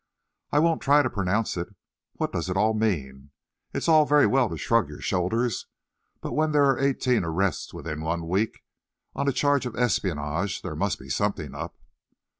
I won't try to pronounce it. What does it all mean? It's all very well to shrug your shoulders, but when there are eighteen arrests within one week on a charge of espionage, there must be something up."